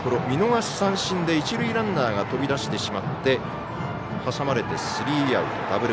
見逃し三振で一塁ランナーが飛び出してしまって挟まれて、スリーアウト。